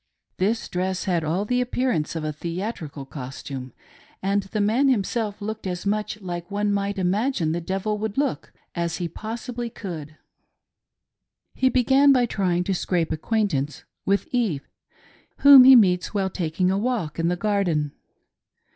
This dress had all the appearance of a theatrical costume, and the man himself looked as much like one might imagine the devil tirould look, as he possibly could. He began by trying to scrape acquaintance with Eve, whom he meets while taking a walk in the garden.